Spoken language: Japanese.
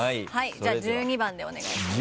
じゃあ１２番でお願いします。